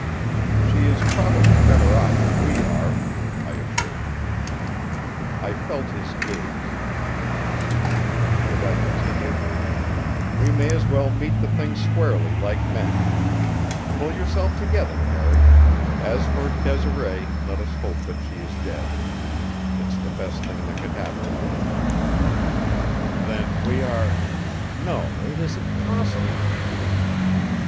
"She is probably better off than we are," I assured him. I felt his gaze I could not see it and I continued: "We may as well meet the thing squarely like men. Pull yourself together, Harry; as for Desiree, let us hope that she is dead. It's the best thing that could happen to her." "Then we are no, it isn't possible."